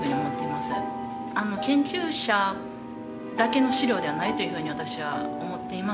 研究者だけの資料ではないというふうに私は思っています。